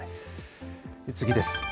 次です。